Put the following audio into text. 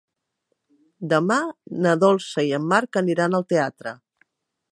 Demà na Dolça i en Marc aniran al teatre.